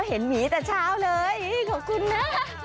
หมีแต่เช้าเลยขอบคุณนะ